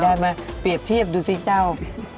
มาเปรียบเทียบดูสิเจ้า